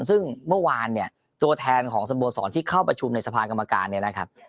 ซึ่งเมื่อวานเนี่ยตัวแทนของสโมสรที่เข้าประชุมในสภากรรมการเนี่ยนะครับ